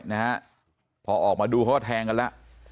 นะพอออกมาดูเขาแทงกันละ